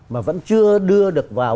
mà vẫn chưa đưa được vào